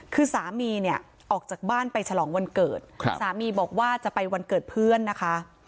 คือสามีเนี่ยออกจากบ้านไปฉลองวันเกิดสามีบอกว่าจะไปวันเกิดเพื่อนนะคะ